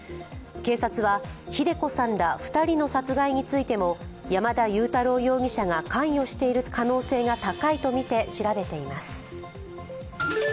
警察は、秀子さんら２人の殺害についても山田悠太郎容疑者が関与している可能性が高いとみて調べています。